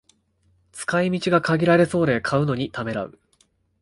使い道が限られそうで買うのにためらう